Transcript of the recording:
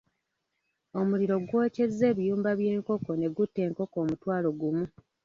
Omuliro gwokyezza ebiyumba by'enkoko ne gutta enkoko omutwalo gumu.